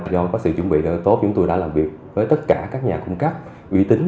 do có sự chuẩn bị tốt chúng tôi đã làm việc với tất cả các nhà cung cấp uy tín